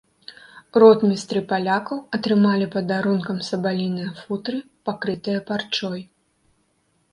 Ротмістры палякаў атрымалі падарункам сабаліныя футры, пакрытыя парчой.